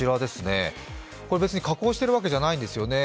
別に加工しているわけじゃないんですよね。